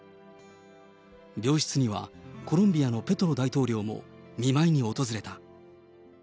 病室にはコロンビアのペドロ大統領も見舞いに訪れた。